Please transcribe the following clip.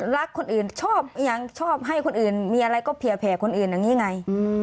รักคนอื่นชอบให้คนอื่นมีอะไรก็แผ่วคนอื่นอย่างนี้ไง